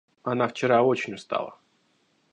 Она вчера очень устала.